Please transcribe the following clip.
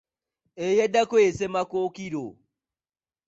Eyaddako ye Ssemakookiro.